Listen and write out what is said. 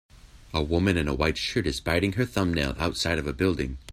A woman in a white shirt is biting her thumbnail outside of a building.